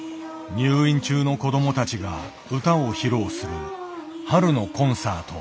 入院中の子どもたちが歌を披露する「春のコンサート」。